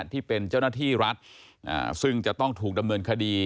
ที่เป็นเจ้าหน้าที่รัฐซึ่งจะต้องถูกดำเนินคดี